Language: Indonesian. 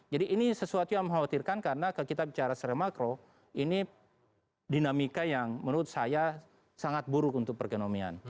jadi ini sesuatu yang mengkhawatirkan karena kalau kita bicara secara makro ini dinamika yang menurut saya sangat buruk untuk pergenomian